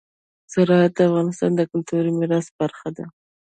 زراعت د افغانستان د کلتوري میراث برخه ده.